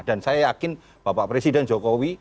dan saya yakin bapak presiden jokowi